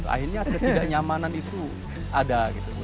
akhirnya ketidaknyamanan itu ada